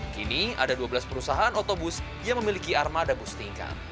kini ada dua belas perusahaan otobus yang memiliki armada bus tingkat